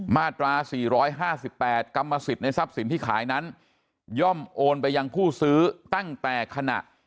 มาตรา๔๕๘กรรมสิทธิ์ในทรัพย์สินที่ขายนั้นย่อมโอนไปยังผู้ซื้อตั้งแต่ขณะ